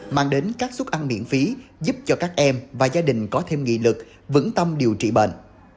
mang đến các suất ăn miễn phí giúp cho các em và gia đình có thêm nghị lực vững tâm điều trị bệnh